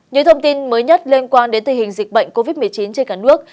những thông tin mới nhất liên quan đến tình hình dịch bệnh covid một mươi chín trên cả nước